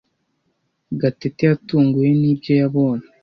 Gatete yatunguwe nibyo yabonye.